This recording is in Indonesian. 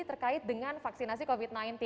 terkait dengan vaksinasi covid sembilan belas